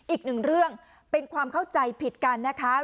อีกหนึ่งเรื่องเป็นความเข้าใจผิดกันนะคะ